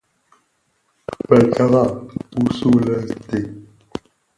Bë ndhaň usu lè stè ?